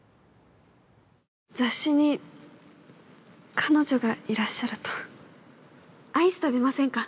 雑誌に彼女がいらっしゃるとアイス食べませんか？